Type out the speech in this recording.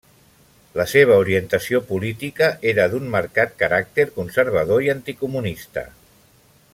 La seva orientació política era d'un marcat caràcter conservador i anticomunista.